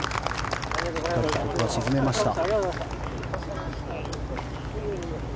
ここは沈めました。